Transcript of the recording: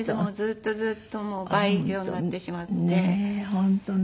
本当ね。